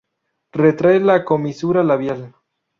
Retrae la comisura labial.